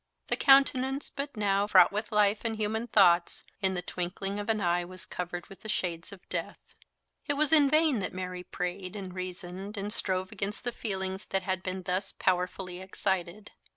The countenance but now fraught with life and human thoughts, in the twinkling of an eye was covered with the shades of death! It was in vain that Mary prayed and reasoned and strove against the feelings that had been thus powerfully excited.